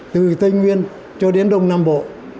từ tây nguyên cho đến đông nam bộ